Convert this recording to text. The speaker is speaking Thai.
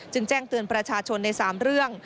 แจ้งเตือนประชาชนใน๓เรื่อง